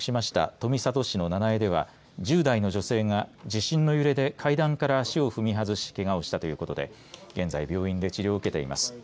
富里市の七栄では１０代の女性が地震の揺れで階段から足を踏み外しけがをしたということで現在病院で治療を受けています。